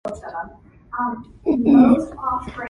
Baltic is a registered charity under English law.